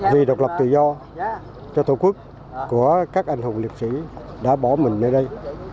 vì độc lập tự do cho tổ quốc của các anh hùng liệt sĩ đã bổ mừng ở đây